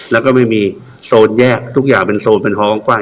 แล้วก็ไม่มีโซนแยกทุกอย่างเป็นโซนเป็นห้องกว้าง